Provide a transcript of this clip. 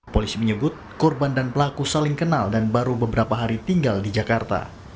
polisi menyebut korban dan pelaku saling kenal dan baru beberapa hari tinggal di jakarta